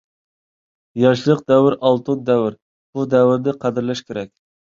ياشلىق — دەۋر ئالتۇن دەۋر. بۇ دەۋرىنى قەدىرلەش كېرەك.